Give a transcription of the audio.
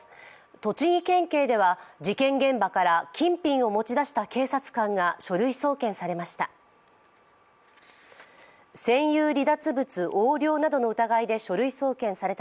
栃木県警では事件現場から金品を持ち出した警察官が書類送検されました。